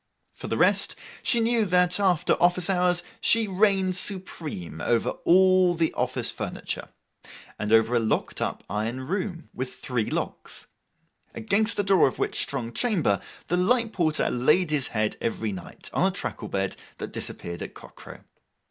For the rest, she knew that after office hours, she reigned supreme over all the office furniture, and over a locked up iron room with three locks, against the door of which strong chamber the light porter laid his head every night, on a truckle bed, that disappeared at cockcrow.